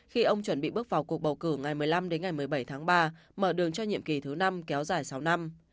khi ông chuẩn bị bước vào cuộc bầu cử ngày một mươi năm đến ngày một mươi bảy tháng ba mở đường cho nhiệm kỳ thứ năm kéo dài sáu năm